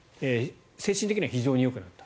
精神的には非常によくなった。